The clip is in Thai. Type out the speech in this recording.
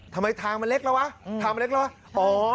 ทางมันเล็กแล้ววะทางมันเล็กแล้ววะ